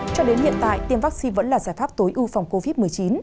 cho đến hiện tại tiêm vaccine vẫn là giải pháp tối ưu phòng covid một mươi chín